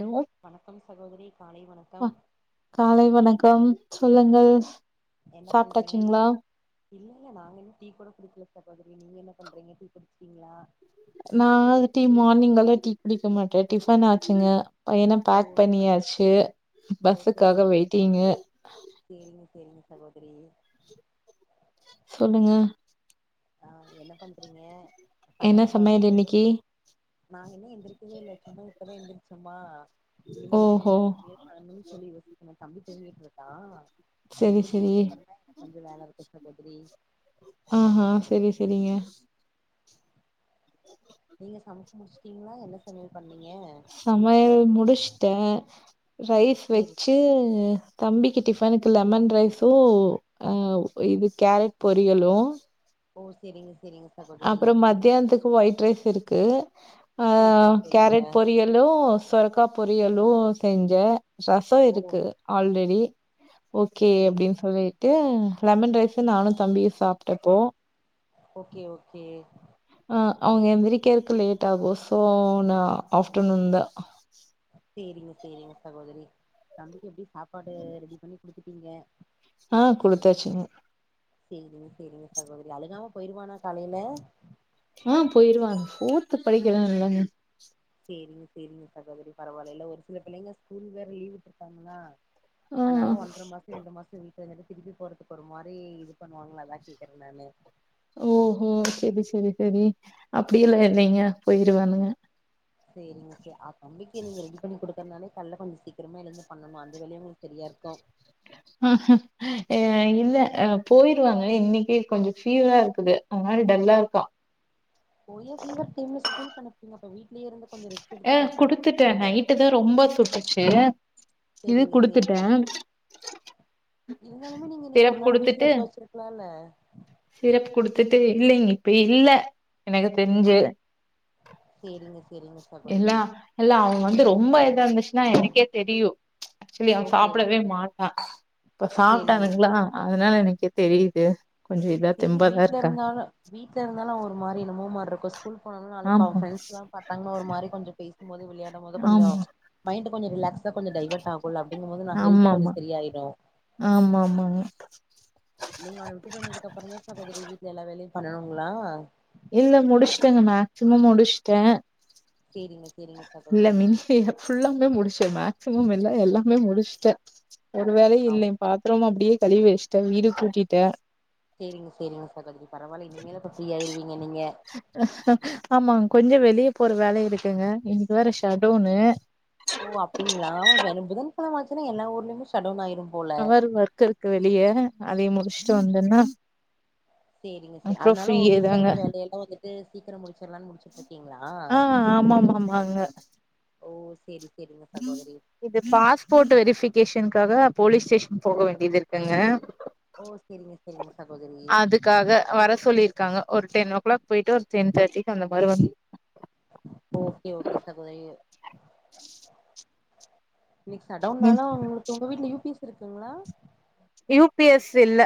Hello வணக்கம் சகோதரி காலை அ வணக்கம் காலை வணக்கம் சொல்லுங்கள் என்ன பண்றீங்க நலா சாப்ட்டாச்சுங்களா இல்ல நாங்க இன்னு டீ கூட குடிக்கில சகோதரி நீங்க என்ன பண்றீங்க டீ குடிச்சிடீங்ளா நா டீ மார்னிங்க் எல்லா டீ குடிக்க மாட்ட டிஃபன் ஆச்சுங்க பையன ஓ பேக் பண்ணியாச்சு ஓ பஸ்ஸுக்காக செரிங்க வெயிட்டிங்கு சேரிங்க சேரிங்க சகோதரி சொல்லுங்க ஆ என்ன பண்றீங்க பையன என்ன பஸ் சமையல் இன்னைக்கு நாங்க இன்னு எந்திரிக்கவே இல்ல சும்மா இப்பதா எந்திரிச்சோமா இனிமேல்தா ஓஹோ என்ன சமையல் பன்னு சொல்லி யோசிக்கனு தம்பி தூங்கிட்ருக்கா அவ செரி செரி எந்திருச்சதுகப்ரோதா கொஞ்சொ வேல இருக்கூ சகோதரி ஆஹா செரி செரிங்க நீங்க சமச்சு முடிச்சுட்டீங்ளா என்ன சமையல் பண்ணீங்க சமையல் முடிஸ்ட்ட ரைஸ் வெச் சேரி டு தம்பிக்கி டிஃபனுக்கு லெமன் ரைஸு ஆ இது கேரட் பொரியலு ஓ செரிங்க செரிங்க அப்றோ மத்தியானத்துக்கு ஒயிட் ரைஸ் இருக்கு அ சேரிங்க சேரிங்க கேரட் பொரியல் யலு சொரக்கா பொரியலு செஞ்சே ரசோ ஓ இருக்கு ஆல்ரெடி ஓகே சேரிங்க அப்டின் சொல்லிட்டு லெமன் ரைஸ் நானு தம்பியு சாப்டுப்போ ஓகே ஓகே அ அவங்க எந்திரிக்கரக்கு லேட் ஆகு சோ நா ஆஃப்டர்நூன் தா செரிங்க செரிங்க சகோதரி தம்பிக்கு எப்டியு சாப்பாடு ரெடி பண்ணி குடுத்துட்டீங்க ஆ குடுத்தாச்சுங்க செரிங்க செரிங்க சகோதரி. அழுகாம போயிருவானா காலைல ஆ போயிருவாங்க ஃபோர்து படிக்கரா இல்லங்க செரிங்க செரிங்க சகோதரி பரவால இல்ல ஒரு சில பிள்ளைங்க ஸ்கூல் வேற லீவ் விட்டு இருக்காங்கனா ஆ அனால ஒன்ற மாஸ் ரெண்டு மாசோ வீட்ல இருந்துட்டு திருப்பி போறதுக்கு ஒரு மாரி இது பண்ணுவாங்களா அதா கேக்குறே நானு ஓஹோ சரி சரி சரி அப்டி எல்லா இல்லைங்க போயிருவானுங்க செரிங்கசே ஆ தம்பிக்கு நீங்க ரெடி பண்ணி கொடுக் குறனாலே கால்ல கொஞ்சோ சீக்கிரமா எழுந்து பண்ணணு அந்த வேலையே உங்களுக்கு சரியா இருக்கு ஆ ஹ அ இல்ல போயிருவாங்க இன்னைக்கு கொஞ்சோ ஃபீவரா இருக்குது ஒரு மாரி டல்லா இருக்கா போயே ஃபீவர் டைம்ல ஸ்கூலுக் அனுப் ஏ குடுத்துட்டே அனுப்பிருக்கலால்ல நைட்டுதா ரொம்ப சுட்டுச்சு இது சேரிங்க குடுத்துட்டே சேரிங்க இருந்தாலுமே நீங்க இன்னைக்கு சிரப் ஒரு நாள் வீட்ல குடுத்துட்டு இருக்க வச்சிருக்குலா இல்ல சிரப் குடுத்துட்டு இல்லைங் இப்ப இல்ல எனக்கு தெரிஞ்சு செரிங்க எல்லா இல்ல அவ வந்து ரொம்ப இதா இருந்துச்சுன்னா எனக்கே தெரியு ஆக்சுவலி அவ ஓகே சாப்பிடவே ஓகே மாட்டா இப்ப சேரிங்க சாப்பிட்டானுங்களா அதனால எனக்கே தெரியுது கொஞ்சம் இதா செரி தெம்பாதான் வீட்ல இருக்கா. இருந்தாலு வீட்ல இருந்தாலு அவ ஒரு மாரி என்னமோ மார்ருககோ ஸ்கூல் போனாலு அப்ப அவ ஆமா ஃப்ரண்ட்ஸ்லா பாத் தங்கனா ஒரு மாரி கொஞ்சோ பேசும் போது விளையாடும் போது கொஞ்சோ ஆமா மைண்ட் கொஞ்சோ ரிலாக்ஸ் கொஞ்சோ டைவர்ட் ஆகுல அப்டிங்க போது நா‌ ஹெல்த் கொஞ்சோ ஆமாமா சரியாயிரு ஆமாமாங்க நீங்க அவன விட்டு வந்தது அப்புறோ தா சகோதரி வீட்டுல எல்லா வேலையு பண்ணனூங்களா இல்ல முடிச்ட்டங்க மேக்சிமம் முடிச்ட்டே செரிங்க செரிங்க சகோதரி ஹே ஃபுல்லாமே முடிச்சே மேக்சிமம் இல்ல எல்லாமே முடிச்ட்டே ஒரு வேலயு ஆ இல்லே பாத்திரம் அப்டியே கழுவி வெச்ட்டே வீடு கூட்டிட்டே சேரிங்க சேரிங்க சகோதரி பரவால்ல இனிமே அப்ப ஃப்ரீயாயிருவீங்க நீங்க ஆமாங்க கொஞ்ச வெளிய போற வேல இருக்குங்க இன்னைக்கு வேற ஓ ஷட்டவுன்னு ஓ அப்டிங்களா வேணு புதன்கெழம ஆச்சுன்னா எல்லா ஊர்லயுமே ஷட்டவுன் ஆயிரும் போல அவர் ஒர்க் இருக்கு வெளிய அதையு முடிச்ட்டு வந்தேன்னா சேரிங்க சே அப்றோ அதனால ஃப்ரீயே வீட்டுல தாங்க இருக்க வேலையெல்லா வந்துட்டு சீக்கிரோ முடிச் சிரலான்னு முடிச்ட்டு இருக்கீங்களா ஆ ஆமாமாமாங்க ஓ சேரி செரிங்க சகோதரி இது பாஸ்போர்ட் வெரிஃபிகேஷன்காக போலீஸ் ஸ்டேஷன் போக வேண்டிதிருக்குங்க ஓ செரிங்க செரிங்க சகோதரி க்காக வர சொல்லிர்க்காங்க ஒரு டென் ஓ கிளாக் போய்ட்டு ஒரு டென் தேர்ட்டிக்கு அந்த மாரி வந்து ஓகே ஓகே சகோதரி இன்னைக் ஷடோன்னாலு உங்ளுக்கு உங்க வீட்ல யூ பி எஸ் இருக்குங்ளா யூ பி எஸ் இல்ல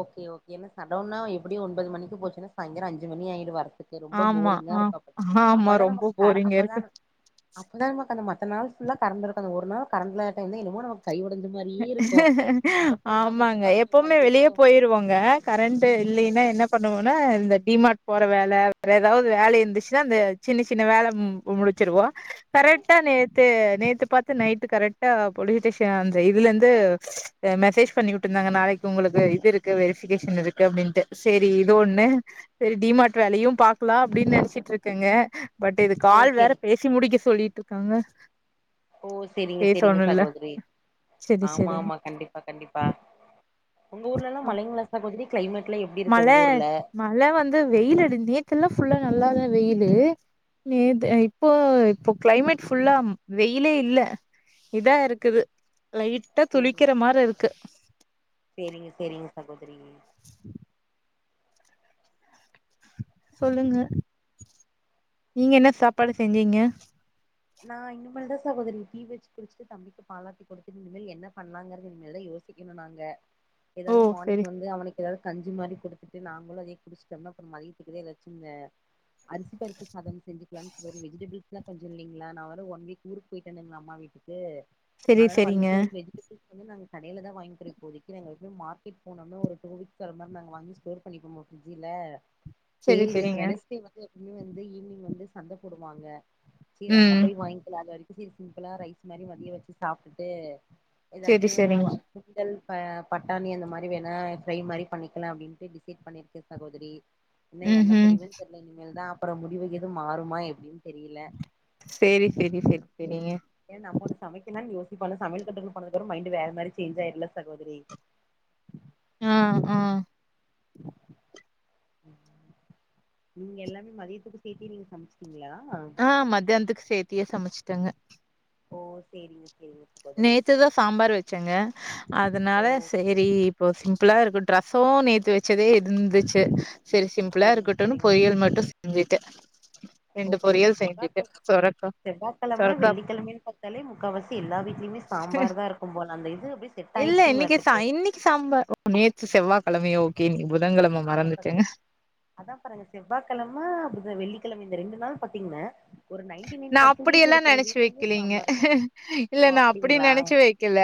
ஓகே ஓகே என்ன ஷடோன்னா எப்டியு ஒன்பது மணிக்கு போச்சுன்னா சாய்ந்தரோ அஞ்சுமணி ஆய்ரு வர த்துக்கு ரொம்ப ஆமா ஆ போரிங்காருக்கு அப்ப ஆமா அப்பதா நம்ம ரொம்ப க போரிங்கா இருக்கு அப்பதா அப்பதா நமக்கு அந்த மத்த நாள் ஃபுல்லா கரண்ட்ருக்கு அந்த ஒரு நாள் கரண்ட் இல்லாத டைம் தா என்னமோ நமக் கை ஒடஞ்ச மாரியே இருக்கு அத பண்லாமா இத பண்லாமா ஐயோ போய்ருவோங்க கரண்ட் இல்லின்னா என்ன பண்ணுவோனா இந்த டிமார்ட் போற வேல வேற எதாவ்து வேல இந்துச்சுன்னா அந்த சின்ன சின்ன வேல முடிச்சிருவோ கரெக்டா நேத்து நேத்து பாத்து நைட்டு கரெக்டா போலீஸ் ஸ்டேஷன் ந்த இதுலந்து அ மெசேஜ் பண்ணி வுட்ருந்தாங்க நாளைக் உங்களுக்கு இது இருக்கு வெரிஃபிகேஷன் இருக்கு அப்டின்ட்டு சேரி இது ஒண்ணு சேரி டிமார்ட் வேலையு பாக்லா அப்டின் நெனச்சிட்ருக்கங்க பட் இது ஓ கால் வேற செரி பேசி முடிக்க சொல்லிட்ருக்காங்க ஓ செரிங்க செரிங்க சகோதரி சேரி ஆமா ஆமா சேரிங்க கண்டிப்பா கண்டிப்பா ஒங்க ஊர்லல்லா மழைங்ளா சகோதரி கிளைமெட்லா எப்டி இருக்கு மழ உங்ஊர்ல மழ வந்து வெயிலடி நேத்தெல்லா ஃபுல்லா நல்லா தா வெயில்லு நேத்து இப்போ இப்போ கிளைமேட் ஃபுல்லா வெயிலே இல்ல இதாருக்குது லைட்டா சேரி துளிக்கிற மாரி இருக்கு சேரிங்க சேரிங்க சகோதரி சொல்லுங்க நீங்க என்ன சாப்பாடு செஞ்சீங்க நா இனிமல்தா சகோதரி டீ வச்சு குடுச்சுட்டு தம்பிக்கு பாலாத்தி குடுத்துட்டு இனிமல் என்ன பண்லாங்கறத இனிமேல் தா யோசி க்கனு நாங்க ஓ எதாவ்து மார்னிங் செரி வந்து அவனுக் எதாவ்து கஞ்சி மாரி குடுத்துட்டு நாங்களு அதே குடிச்சிட்டம்னா அப்றோ மதியத்துக்குதே எதாச்சு [unintelligible] அரிசிபருப்பு சாதம் செஞ்சிக்லா வெஜிடபிள்ஸ்லா கொஞ்சொ இல்லிங் ல்ல நா வேற ஒன் வீக் ஊருக்கு போயிட்டு வந்தேங்ளா அம்மா வீட்டுக்கு செரி அதனால செரிங்க வந்துட்டு வெஜிடபிள்ஸ் வந்து நாங்க கடைல தா வாய்ன்க்றோ இப்போதைக்கி நாங்க வந்து மார்க்கெட் போனம்னா ஒரு டூ வீக்ஸ் வர மாரி நாங்க வாங்கி ஸ்டோர் பண்ணிக்குவோமா ஃப்ரிட்ஜில்ல செரி சேரி இன்னக்கி செரிங்க வெனஸ்டே வந்து எப்பமே வந்து ஈவ்னிங் வந்து சந்த போடுவாங்க சேரி அங்க ம் போய் வாய்ன்க்கலா அது வரைக்கு செரி சிம்பிளா ரைஸ் மாரி மதியோ வச்சு சாப்ட்டுட்டு செரி எதாச்சு செரிங்க சுண்டல் ப பட்டாணி அந்த மாரி வேணா ஃப்ரை மாரி பண்ணிக்லா அப்டின்ட்டு டிசைட் பண்ணிருக்கு சகோதரி இன்னு ம் என்ன ம் முடிவுன் தெர்ல இனிமேல்தா அப்றோ முடிவு எது மாறுமா எப்டின் தெரில சேரி சேரி சேரி சேரிங்க ஏ நம்ம ஒன்னு சமைக்கனுன் யோசிப்போல சமையல் கட்டுக்கு போனதுக்கப்றோ மைன்டு வேற மாரி சேஞ்சாய்ருல சகோதரி ஆ ஆ நீங்க எல்லாமே மதியத்துக்கு சேத்தே நீங்க சமச்ட்டீங்ளா ஆ மதியானத்துக்கு சேத்தியே சமச்சிட்டேங்க ஓ செரிங்க செரி நேத்து தா சாம்பார் வச்சேங்க ஓ அதனால ஓகே சேரி இப்போ சிம்பிளா இருக்கட் ரசோ நேத்து வச்சதே இருந்துச்சு செரி சிம்பிளா சேரிங்க இருக்கட்டுன்னு சேரிங்க ச பொரியல் மட்டு செஞ்சுட்ட ஓகே ஓகே செவ்வாகெழம செவ்வாகெழம சொரக்கா வெள்ளிகெழமனு பாத் தாலே முக்காவாசி எல்லா வீட்லயுமே சாம்பார்தா இருக்கும் போல அந்த இது அப்டி நேத்து செவ்வாகெழமயோ ஓகே இன்னிக்கி புதன் கெழம ஆமா மறந்துட்டங்க சகோதரி அதா பாருங்க செவ்வாகெழம புத வெள்ளிகெழம இந்த ரெண்டு நாள் பாத்தீங்ன்ன நா அப்படி எல்லா நெனச்சு வெக்கலீங்க சாம்பார் தா இல்ல ஓ நா அப்படி அப்டிங்களா நெனச்சு வெக் கல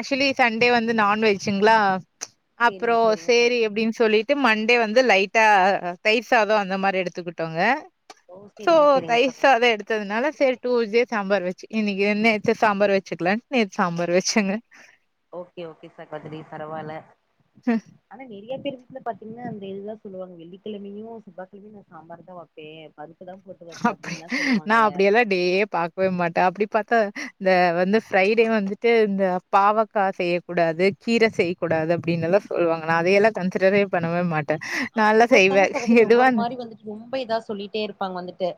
அக்சுவ்லி சண்டே வந்து நான் வெஜ்ஜுங்ளா சேரிங்க அப்புறோ சேரிங்க ச சேரி அப்டின் சொல்லி ட்டு மண்டே வந்து லைட்டா தயிர் சாதோ அந்த மாரி எடுத்துக்குட்டோங்க ஓ செரிங்க செரிங்க சகோதரி தே எடுத்ததுனால செரி டூ சே சாம்பார் வச்சு இன்னைக்கு நேத்து சாம்பார் வச்சுக்லா நேத்து சாம்பார் வச்சேங்க ஓகே ஓகே சகோதரி பரவால்ல ம் ஆனா நெறயா பேரு வீட்ல பாத்தீங்ன்னா அந்த இதுதா சொல்லுவாங்க வெள்ளிக்கெழமயு செவ்வாக்கெழமயு நா சாம்பார்தா வப் ப்பே பருப்புதா போட்டு வப்பே அப்டின்லா சொல்லுவாங்கள்ல டே பாக்கவே மாட்டா அப்டி பாத்தா இந்த வந்து ஃப்ரைடே வந்துட்டு இந்த பாவக்கா செய்யக்கூடாது கீர செய்க்கூடாது அப்டின்னுல்லா சொல்லுவாங்க நா அதையெல்லா கன்சிடரே பண்ணவே மாட் ட ஆ நான்ல்லா செய்வ ஒவ்வொருத்தங்க சகோதரி எதுவா ஒவ்வொரு இருந்த மாரி வந்துட்டு ரொம்ப இதா சொல்லிட்டே இருப்பாங்க வந்துட்டு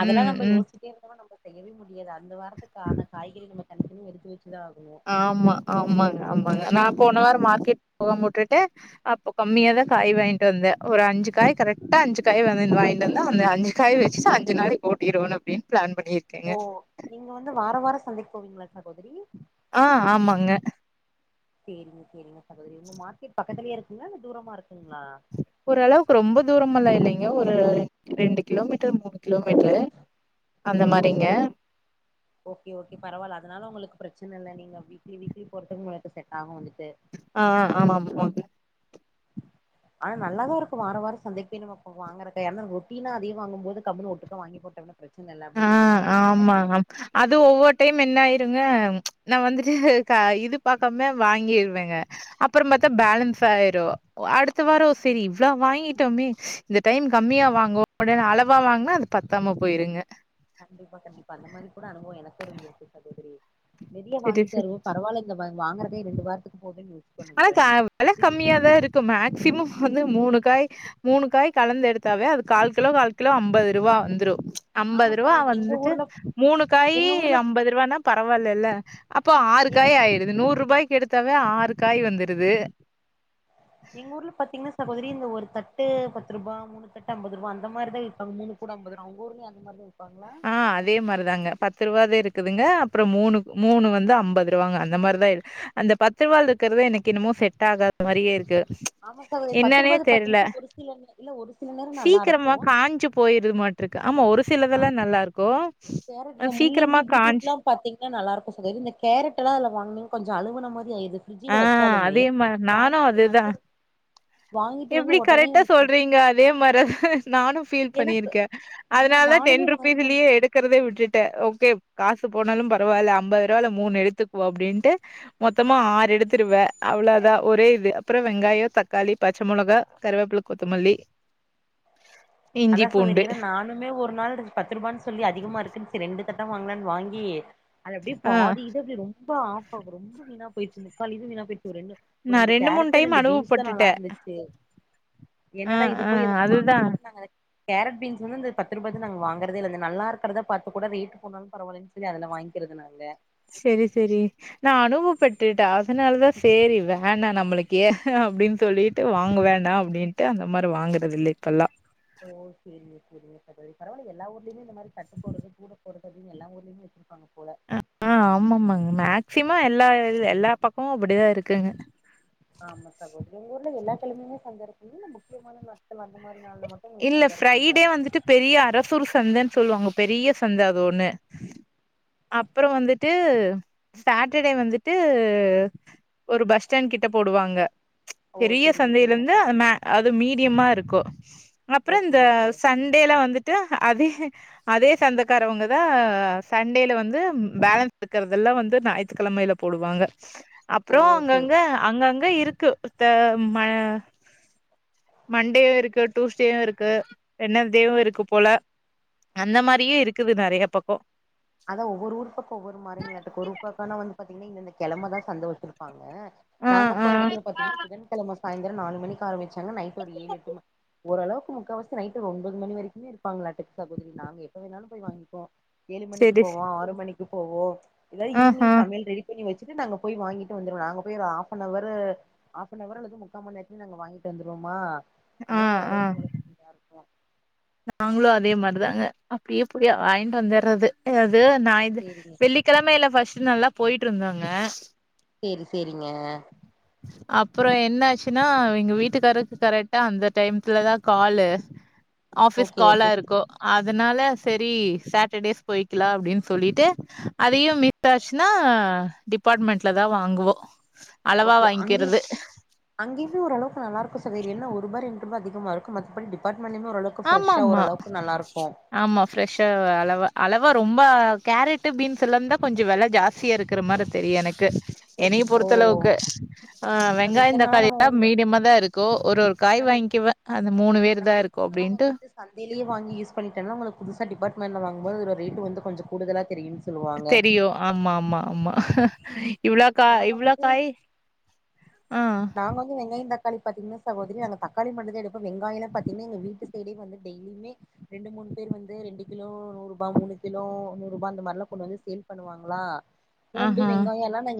அதெல்லா ம், நம்ப ம். யோசிட்டே இருந்தனா நம்ப செய்யவே முடியாது அந்த வாரத்துக்கான காய்கறி நம்ம தனி தனி எடுத்து வெச்சுதா ஆகணு ஆமா ஆமாங்க ஆமாங்க நா போன வாரோ மார்க்கெட் போவாம உட்டுட்ட அப்போ கம்மியாதா காய் வாய்ங்ட்டு வந்த ஒரு அஞ்சு காய் கரெக்டா அஞ்சு காய் வாங்கின் வாய்ங்ன்டு வந்த அந்த அஞ்சு காய் வச்சு அஞ்சு நாளு ஓட்டிரனு அப்டின் பிளான் பண்ணி ஓ நீங்க வந்து வார வாரோ சந்தைக்கு போவீங்ளா சகோதரி ஆ ஆமாங்க செரிங்க செரிங்க சகோதரி உங்க மார்க்கெட் பக்கத்துலயே இருக்குங்ளா இல்ல தூரமா இருக்குங்ளா ஒரு அளவுக்கு ரொம்ப தூரமால்லா இல்லைங்க ஒரு ரெண்டு கிலோமீட்டர் மூணு கிலோமீட்டரு ஓ செரிங் ஓகே ஓகே பரவால்ல அதனால உங்களுக்கு பிரச்சன இல்ல நீங்க வீக்லி வீக்லி போறதுக்கு உங்களுக்கு செட் ஆகோ வந்துட்டு ஆ ஆமாம் [unintelligible] ஆனா நல்லாதா இருக்கு வார வாரோ சந்தைக்கு போய் நம்ம போய் வாங்குறது ஏனா ரொட்டினா அதே வாங்கும்போது கம்முனு ஒட்டுக்கா வாங்கி போட்டோனா பிரச்சனல்ல ஆ அப்டிங்கிற மாரி இருக்கோ ஆமா. நமக்கு அது ஒவ்வொரு டைம் என்ன ஆயிருங்க நா வந்துட்டு க இது பாக்காம வாங்கிருவேங்க அப்புறம் பாத்தா பேலன்ஸ் ஆய்ரு அடுத்த வாரோ செரி இவ்ளோ வாங்கிட்டோமே இந்த டைம் கம்மியா வாங்குவோ [inaudible] அளவா வாங்குனா அது பத்தாம போயிருங்க கண்டிப்பா கண்டிப்பா அந்த மாரி கூட அனுபவோ எனக்கு இருந்துருக்கு சகோதரி நெறைய சரி சரி. வாங்கிட்டு வருவ பரவால்ல இல்ல வாய்ங் வாங்கறதே ரெண்டு வாரத்துக்கு போதுன் யோசி ஆனா கா வெல கம்மியாதா இருக்கு மேக்சிமம் வந்து மூணு காய் மூணு காய் கலந்து எடுத்தாவே அது கால் கிலோ கால் கிலோ அம்பது ரூபா வந்துரு ஆமா ஐம்பதுருவா சகோதரி எங்க வந்துட்டு ஊர்ல மூணு காய் எங்க ஊர்ல ஐம்பதுருவானா பரவால்லல அப்போ ஆறு எங்க காய் ஆய்டுது நூறுபாய்க்கு எடுத்தாவே ஆறு காய் வந்துருது எங்க ஊர்ல பாத்தீங்கன்னா சகோதரி இந்த ஒரு தட்டு பத்து ரூபா மூணு தட்டு ஐம்பதுருபா அந்த மாரிதா இருப்பாங்க மூணு கூட ஐம்பதுருவா உங்க ஊர்ல அந்த மாரி தா விப்பாங்ளா ஆ அதே மார்தாங்க பத்ருவாது இருக்குதுங்க அப்ற மூணு மூணு வந்து ஐம்பதுருவாங்க அந்த மார்தா இ அந்த பத்துருவால இருக்கிறது எனக்கு இன்னமு செட் ஆகாத மாரியே இருக்கு ஆமா சகோதரி என்னன்னே பத்ருபாது தெர்ல பாத்தீங்கனா ஒரு சில இல்ல ஒரு சில நேர நல்லாருக்கு போயிரு மாட்ருக்கு ஆமா ஒரு சிலதெல்லா நல்லாருக்கு கேரட் இந்த முள்ளங்கி பீட்ரூட்லா பத்தீங்னா நல்லாருக்கு சகோதரி இந்த கேரட் எல்லா அதுல வாங்கினீங் கொஞ்சோ அழுவுன மாரி ஆயிர்து ஆ பிரிட்ஜில வச்சாலுமே அதே மார் நானு வாங்கிட்டு அதுதா வந்து வாங்கிட்டு வந்து எப்டி ஒடனே கரெக்டா நம்ம ஃப்ரெஷ் சொல்றீங்க அதே மாரிதா நானு ஃபீல் எனக்கு பண்ணிருக்க ஆ அதனாலதா டென் நானுமே வாங்கிட்டு ருபீஸ்லயே வந்து எடு க்கறதே விட்டுட்ட ஓகே காசு போனாலு பரவால்ல ஐம்பதுருவால மூணு எடுத்துக்குவோ அப்டின்ட்டு மொத்தமா ஆறு எடுத்துருவே அவ்ளோதா ஒரே இது அப்பற வெங்காய தக்காளி பச்ச மொளகா கருவேப்புல கொத்தமல்லி [inaudible] அதா சகோதரி பூண்டு ஏன்னா நா னுமே ஒரு நாள் பத்து ரூபான் சொல்லி அதிகமா இருக்குன் சரி ரெண்டு தட்டா வாங்கலான்சொல்லி வாங்கி அது அப்டியே ஆ பாதி இது அப்டி ரொம்ப ஆப்பா ரொம்ப வீணா போயிச்சு முக்கால் இது வீணா போயிச்சு ரெண்டு ஒரு நா ரெண்டு மூணு கேரட் டைம் ரெண்டு பீன்ஸ் தா அனுபவப்பட்டுட்டே நல்லாருந்துச்சு ஆ என்னடா இத ஆ போய் எதுக்கு வாங் அதுதா நாங்க கேரட் பீன்ஸ் வந்து இந்த பத்துரூபாது நாங்க வாங்குறதே இல்ல இந்த நல்லா இருக்குறத பாத்து கூட ரேட்டு போனாலு பரவால்லன் ன் அதுல வாங்கிக்கிறது நாங்க செரி செரி நா அனுபவப்பட்டுட்ட அதனாலதா சேரி வேணா நம்மளுக்கு ஏ அப்டின் சொல்லி ட்டு வாங்கவேண்டா அப்டின்ட்டு அந்த மாரி வாங்குறது இல்ல இப்பல்லா ஓ சேரிங்க சேரிங்க சகோதரி பரவால்ல எல்லா ஊர்லயுமே இந்த மாரி தட்டு போடுறது கூட போடுதது எல்லா ஊர்லயுமே வச்சிருக்காங்க போல ஆமா ஆமாங்க மேக்சிம எல்லா எல்லா பக்கமு அப்படிதா இருக்குங்க ஆமா சகோதரி உங்க ஊர்ல எல்லா கிழமையுமே சந்த இருக்குங்ளா இல்ல முக்கியமான நாட் துல அந்த மாரி நாள்ல மட்டு உங்களுக்கு இல்ல சந்த இருக்குங்ளா ஃப்ரைடே வந்துட்டு பெரிய அரசூர் சந்தன் சொல்லுவாங்க பெரிய சந்த அது ஒன்னு அப்பற வந்துட்டு சாட்டர்டே வந்துட்டு ஒரு பஸ் ஸ்டாண்ட் கிட்ட போடுவாங்க ஓ பெரிய சேரிங்க சந்தயில சேரிங்க இருந்து அந்த மே சகோதரி அது மீடியமா இருக்கு அப்பற ஓகே இந்த ஓகே சண்டேல வந்துட்டு அது அதே சந்தக்காரவங்க தா சண்டேல வந்து பேலன்ஸ் இருக்கறதெல்லா வந்து ஞாயித்துக்கிழமைல போடுவாங்க ஓ அப்றோ சேரி அங்கங்க அங்கங்க இருக்கு த ம மண்டே இருக்கு டூஸ்டேயு இருக்கு வெட்னஸ்டேவு இருக்கு போல அந்த மாரியே இருக்குது நெறய பக்கோ அதா ஒவ்வொரு ஊர் பக்கோ ஒவ்வொரு மாரிங்களாட்டுக்கு ஒரு பக்கோனா வந்து பாத்தீங்னா இந்த இந்த கிழம தா சந்த வச்சிருப்பாங்க ஆ நாங்க ஆ போற எடத்துல பாத்தீங்னா புதன்கிழம சாயந்திர நாலு மணி ஆரம்பிச்சாங்கனா நைட்டு ஒரு ஏழு எட்டு ஓளவுக்கு முக்கால்வாசி நைட் ஒரு ஒன்பது மணி வரைக்குமே இருப்பாங்களாட்டுக்கு சகோதரி நாங்க எப்ப வேணாலு போய் வாங்கிப்போ ஏழு மணிக்கு செரி போவோ ஆறு மணிக்கு போவோ இல்லாட்டி ஆஹா ஈவினிங் சமையல் ரெடி பண்ணி வச்சுட்டு நாங்க போய் வாங்கிட்டு வந்துருவோ நாங்க போய் ஒரு half an hour half an hour அல்லது முக்கா மண் நேரத்துல நாங்க வாங்கிட்டு வந்துருவமா ஆ அதா ஒரளவுக்கு [unintelligible] நாங்ளு அதே மார்தாங்க அப்புடியே போய் வாயின்ட்டு வந்தர்றது அது நா இது சேரிங்க வெள்ளி கெழமைல ஃபஸ்ட்டு நல்லா போயிட்டு இருந்தோங்க சேரி சேரிங்க அப்பறோ என்னாச்சுன்னா எங்க வீட்டுக்காருக்கு கரெட்டா அந்த டைம்க்குள்ள தா காலு ஆஃபிஸ் ஓகே காலா ஓகே இருக்கு அதனால செரி சாட்டர்டேஸ் போயிக்கலா அப்டின்னு சொல்லீட்டு அதையு மீ விட்டாச்சுன்னா டிபார்ட்மெண்ட்ல தா வாங்குவோ அளவா ஓகே அங்கியு வாங்கிக்கிறது அங்கியுமே ஓரளவுக்கு நல்லா இருக்கு [unintelligible] என்ன ஒர்பா ரெண்ருபா அதிகமா இருக்கு மத்தபடி டிபார்ட்மெண்ட்லயுமே ஓரள வுக்கு ஆமா ஃப்ரெஷ்ஷா ஆமா ஓரளவுக்கு நல்லாயிருக்கு ஆமா ஃப்ரெஷ்ஷா அளவா அளவா ரொம்ப கேரட்டு் பீன்ஸ் எல்லாந் தா கொஞ்சோ வெல ஜாஸ் ழ்ச்சிய இருக்கற மாரி தெரியு எனக்கு என்னைய ஓ பொறுத்தளவுக்கு ஆ நம்ம வெங்காயோ இத்தன நாளா தக்காளி நம்ம [inaudible] வந்து மீடியமா தா இருக்கு ஒரு ஒரு காய் வாங்கிவ அந்த மூணு பேரு தா இருக் அதலா வந்துட்டு சந்தைலியு வாங்கி யூஸ் பண்ட்டன்னா உங்களுக்கு புதுசா டிப்பார்ட்மெண்ட்ல வாங்கு போது ரேட்டு வந்து கொஞ்சோ கூடுதலா தெரியுன்னு சொல்லுவாங்க ஆம்மாம்மா ஆமா இவ்வளோ கா நாங்க இவ்வளோ வந்து காய் ஆ அங்கங்க வெங்காயோ தக் காளி பாத்திங்கன்னா சகோதரி அந்த தக்காளி மட்டுந்தா எடுப்போ வெங்காயோல பாத்திங்கன்னா எங்க வீட்டு சைடே வந்து டெய்லியுமே ரெண்டு மூணு பேர் வந்து ரெண்டு கிலோ நூறுபா மூணு கிலோ நூறுபா அந்த மார்லா கொண்டு வந்து சேல் பண்ணுவாங்களா பூண்டு ஆஹா வெங்காயோ எல்லா நாங்க